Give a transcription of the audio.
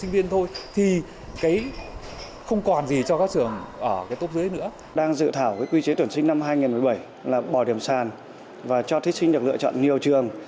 cách đây hai tháng khi bộ giáo dục đào tạo có dự thảo về bỏ điểm sàn một số trường đại học cao đẳng